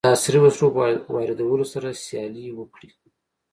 د عصري وسلو په واردولو سره سیالي وکړي.